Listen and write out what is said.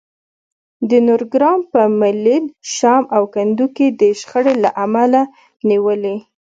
د نورګرام په ملیل، شام او کندو کې د شخړې له امله نیولي